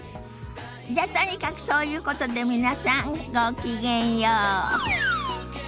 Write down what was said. じゃとにかくそういうことで皆さんごきげんよう。